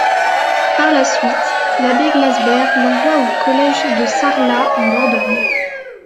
Par la suite l'Abbé Glasberg l'envoie au collège de Sarlat, en Dordogne.